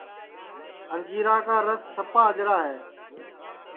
انجیرا کا رس سپا اجرا ہے